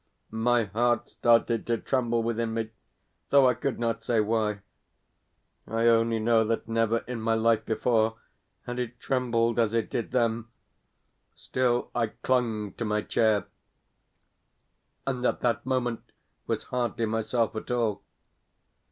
My heart started to tremble within me, though I could not say why. I only know that never in my life before had it trembled as it did then. Still I clung to my chair and at that moment was hardly myself at all.